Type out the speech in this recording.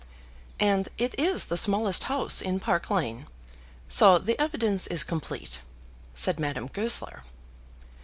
"And it is the smallest house in Park Lane, so the evidence is complete," said Madame Goesler.